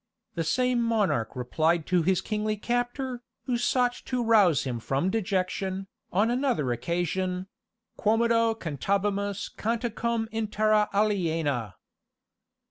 The same monarch replied to his kingly captor, who sought to rouse him from dejection, on another occasion "Quomodo cantabimus canticum in terra aliena!"